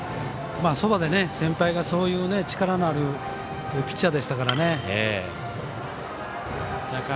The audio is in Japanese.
そばで、先輩がそういう力のあるピッチャーでしたからね。